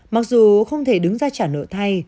mặc dù không thể đứng ra trả nợ thay